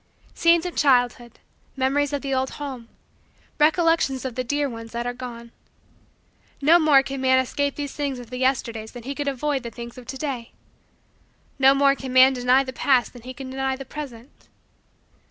Scenes of childhood! Memories of the old home! Recollections of the dear ones that are gone! No more can man escape these things of the Yesterdays than he can avoid the things of to day. No more can man deny the past than he can deny the present.